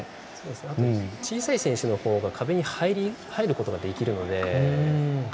あと、小さい選手の方が壁に入ることができるので。